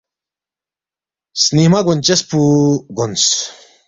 سنِنگمہ گونچس پو گونس